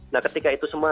nah ketika itu semua